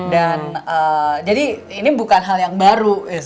dan jadi ini bukan hal yang baru